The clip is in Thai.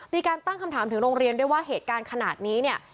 มีการตั้งคำถามถึงโรงเรียนด้วยว่าเหตุการณ์ขนาดนี้เนี่ย